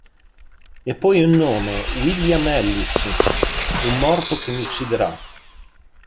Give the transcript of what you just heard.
E poi un nome: William Ellis – un morto che mi ucciderà!